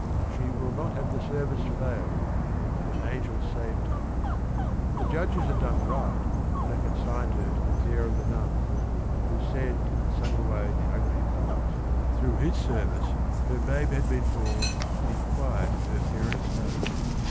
She "will not have the service fail"; her angel saved her. The judges had done right when they consigned her to the care of the nuns "who said and sung away the ugly past." Through his service her babe had been born in quiet of her parents' home.